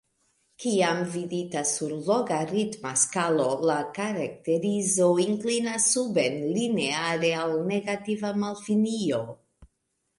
Kiam vidita sur logaritma skalo la karakterizo inklinas suben lineare al negativa malfinio.